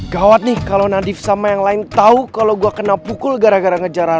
gawat nih kalau nadif sama yang lain tahu kalau gue kena pukul gara gara ngejar